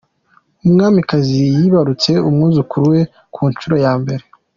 UmwamikaziYibarutse umwuzukuru we Kunshuro Yambere